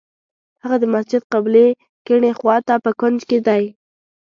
هغه د مسجد قبلې کیڼې خوا ته په کونج کې دی.